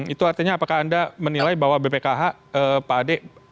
itu artinya apakah anda menilai bahwa bpkh pak ade